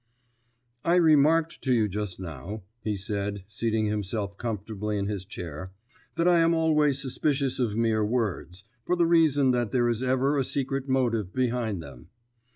"I remarked to you just now," he said, seating himself comfortably in his chair, "that I am always suspicious of mere words, for the reason that there is ever a secret motive behind them.